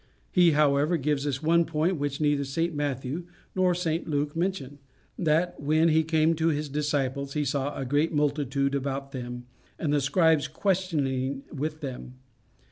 He, however, gives us one point which neither St Matthew nor St Luke mention that "when he came to his disciples he saw a great multitude about them, and the scribes questioning with them."